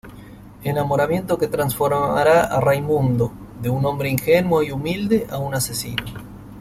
Enamoramiento que transformará a Raimundo de un hombre ingenuo y humilde a un asesino.